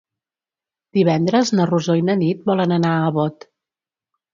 Divendres na Rosó i na Nit volen anar a Bot.